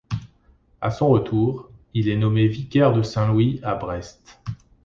A son retour, il est nommé vicaire de Saint-Louis à Brest.